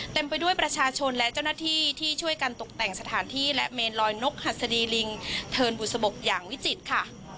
ไปด้วยประชาชนและเจ้าหน้าที่ที่ช่วยกันตกแต่งสถานที่และเมนลอยนกหัสดีลิงเทินบุษบกอย่างวิจิตรค่ะ